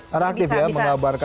karena aktif ya mengabarkan